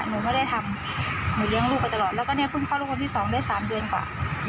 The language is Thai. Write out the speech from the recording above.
หนูไม่ได้ทำหนูเลี้ยงลูกไปตลอดแล้วก็เนี่ยเพิ่งคลอดลูกคนที่สองได้๓เดือนกว่า